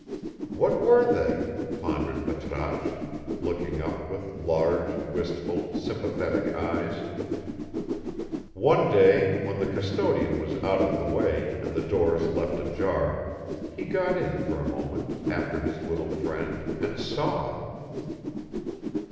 What were they? pondered Patrasche, looking up with large, wistful, sympathetic eyes. One day, when the custodian was out of the way and the doors left ajar, he got in for a moment after his little friend and saw.